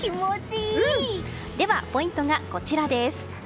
ポイントがこちらです。